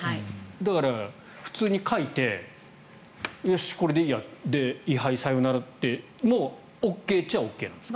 だから普通に書いてよし、これでいいやで位牌、さよならってもうＯＫといえばＯＫなんですか。